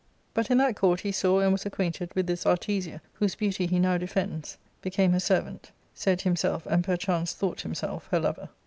But in that court he saw and was acquainted with this Artesia, whose beauty he now defends, became her servant ; said himself, and perchance though^, himself, her lover.